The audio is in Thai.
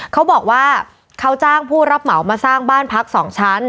เขาบอกว่าเขาจ้างผู้รับเหมามาสร้างบ้านพัก๒ชั้น